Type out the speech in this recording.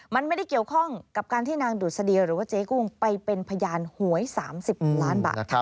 มันไม่ได้เกี่ยวข้องกับการที่นางดุษฎีหรือว่าเจ๊กุ้งไปเป็นพยานหวย๓๐ล้านบาท